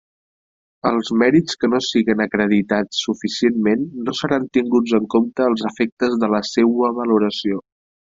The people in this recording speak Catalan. Els mèrits que no siguen acreditats suficientment no seran tinguts en compte als efectes de la seua valoració.